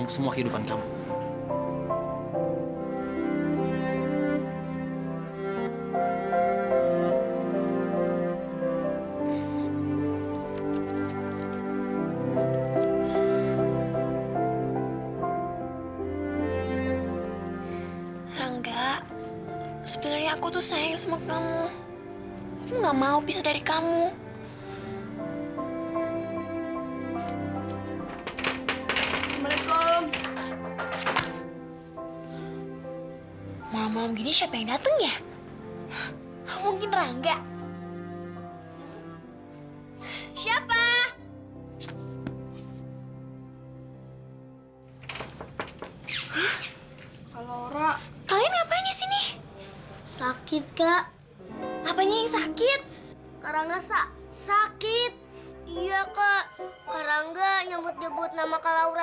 sampai jumpa di video selanjutnya